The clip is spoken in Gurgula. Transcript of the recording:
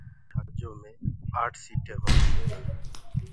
جھآجو مي آٺ سيٚٽينٚ هونٚديونٚ